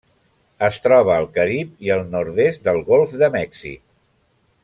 Es troba al Carib i el nord-est del Golf de Mèxic.